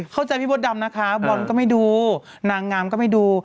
พี่มดดำนะคะบอลก็ไม่ดูนางงามก็ไม่ดู